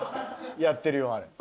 やってるよあれ。